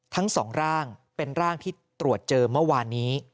ทั้งสองร่างเป็นร่างที่ตรวจเจอเมื่อวานนี้